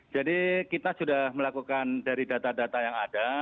jadi kita sudah melakukan dari data data yang ada